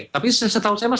tapi setahu saya mas